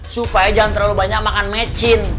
supaya jangan terlalu banyak makan mecin